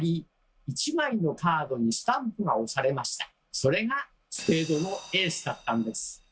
それがスペードのエースだったんです。